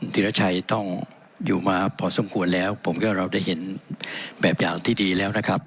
ธิรชัยต้องอยู่มาพอสมควรแล้วผมก็เราได้เห็นแบบอย่างที่ดีแล้วนะครับ